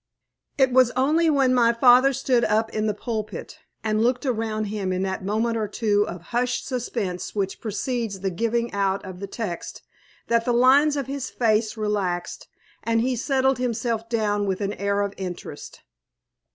It was only when my father stood up in the pulpit and looked around him in that moment or two of hushed suspense which precedes the giving out of the text, that the lines of his face relaxed, and he settled himself down with an air of interest.